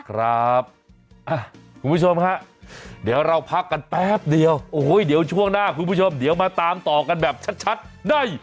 คุณผู้ชมฮะเดี๋ยวเราพักกันแป๊บเดียวโอ้โหเดี๋ยวช่วงหน้าคุณผู้ชมเดี๋ยวมาตามต่อกันแบบชัดได้